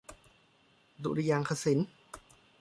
ดุริยางคศิลป์